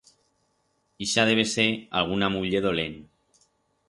Ixa debe ser alguna muller dolent.